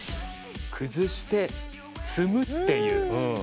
崩して積むっていう。